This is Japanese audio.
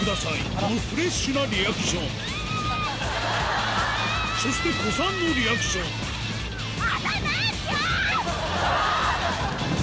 このフレッシュなリアクションそして古参のリアクションうっ！